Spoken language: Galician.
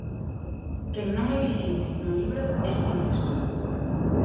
Quen non é visible no libro es ti mesma.